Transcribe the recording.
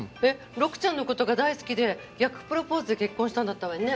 禄ちゃんの事が大好きで逆プロポーズで結婚したんだったわよね？